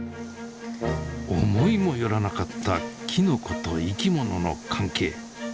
思いもよらなかったきのこと生きものの関係。